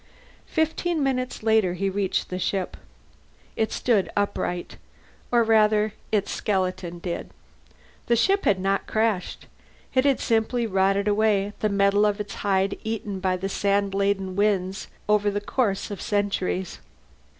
Fifteen minutes later he reached the ship. It stood upright or rather, its skeleton did. The ship had not crashed. It had simply rotted away, the metal of its hide eaten by the sand laden winds over the course of centuries.